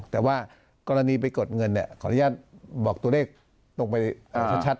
แต่ว่ากรณีไปกดเงินขออนุญาตบอกตัวเลขตรงไปชัด